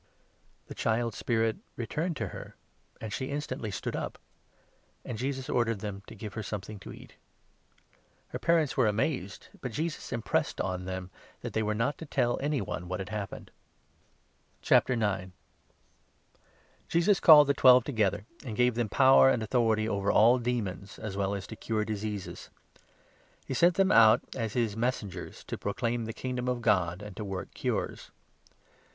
The child's spirit returned to her, and she instantly stood up ; 55 and Jesus ordered them to give her something to eat. Her 56 parents were amazed, but Jesus impressed on them that they were not to tell any one what had happened. *• Num. 15. 38. LUKE, 9. 125 The Mission Jesus called the Twelve together.and gave them i 9 of the twelve power and authority over all demons, as well Apostles, as to cure diseases. He sent .them out as his Mes 2 sengers, to proclaim the Kingdom of God, and to work cures.